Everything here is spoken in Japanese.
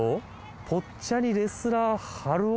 「ぽっちゃりレスラーハルオ」？